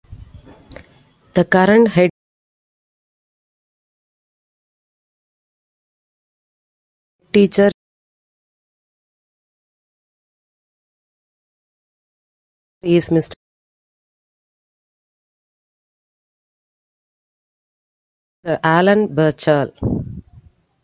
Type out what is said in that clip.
The current headteacher is Mr. Alan Birchall.